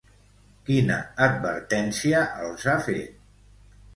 Quina advertència els ha fet?